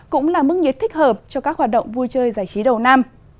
cũng là mức nhiệt thích hợp cho các hoạt động vui chơi giải trí đầu năm